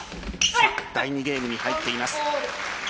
第２ゲームに入っています。